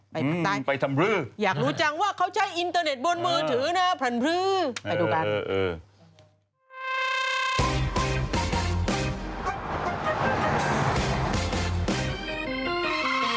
ไปภาคใต้อยากรู้จังว่าเขาใช้อินเทอร์เน็ตบนมือถือนะพันธุ์พื้นไปดูกันโอ้โฮโอ้โฮ